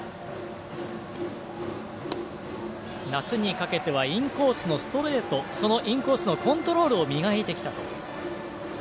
夏にかけてはインコースのストレートそのインコースのコントロールを磨いてきたと。